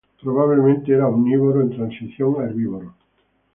Probablemente era omnívoro en transición a herbívoro.